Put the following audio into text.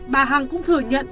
bà hằng cũng thừa nhận